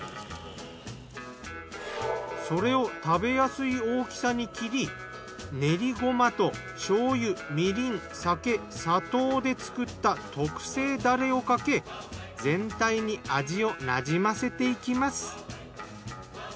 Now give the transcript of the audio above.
それを食べやすい大きさに切り練りごまと醤油・みりん・酒・砂糖で作った特製だれをかけ全体に味をなじませていきます。